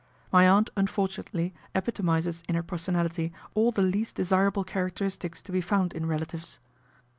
My aunt unfortunately epitomises in her personality all the least desirable charac teristics to be found in relatives.